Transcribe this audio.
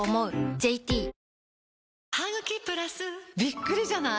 ＪＴびっくりじゃない？